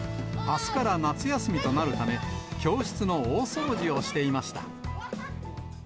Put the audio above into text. あすから夏休みとなるため、教室の大掃除をしていました。